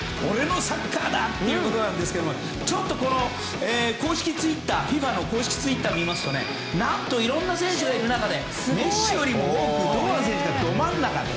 俺のサッカーだということですけどちょっとＦＩＦＡ公式ツイッターを見ますと何と、いろんな選手がいる中でメッシよりも多く堂安選手がど真ん中で。